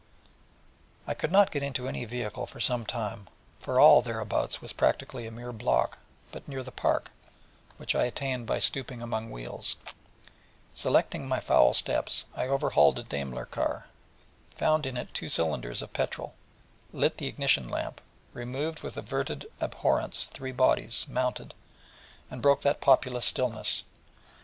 I could not get into any vehicle for some time, for all thereabouts was practically a mere block; but near the Park, which I attained by stooping among wheels, and selecting my foul steps, I overhauled a Daimler car, found in it two cylinders of petrol, lit the ignition lamp, removed with averted abhorrence three bodies, mounted, and broke that populous stillness.